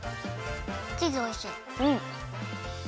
チーズおいしい。